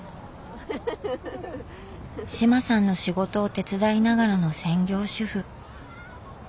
志麻さんの仕事を手伝いながらの専業主夫。